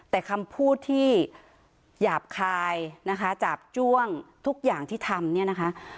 แต่คำพูดที่หยาบคายนะคะจาบจ้วงทุกอย่างที่ทำเนี่ยนะคะ